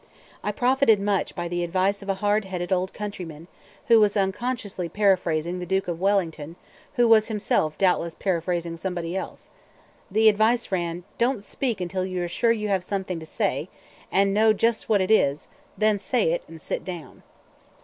I profited much by the advice of a hard headed old countryman who was unconsciously paraphrasing the Duke of Wellington, who was himself doubtless paraphrasing somebody else. The advice ran: "Don't speak until you are sure you have something to say, and know just what it is; then say it, and sit down."